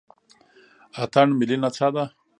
اتن ملي نڅا ده